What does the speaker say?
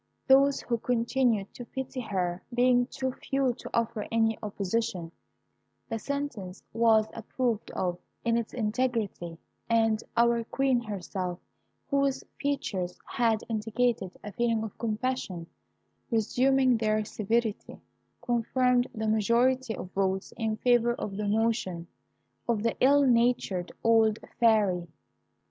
Those who continued to pity her being too few to offer any opposition, the sentence was approved of in its integrity; and our Queen herself, whose features had indicated a feeling of compassion, resuming their severity, confirmed the majority of votes in favour of the motion of the ill natured old Fairy.